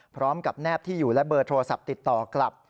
แนบที่อยู่และเบอร์โทรศัพท์ติดต่อกลับ